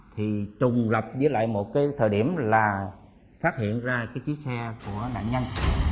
thì trùng lập với lại một cái thời điểm là phát hiện ra cái chiếc xe của nạn nhân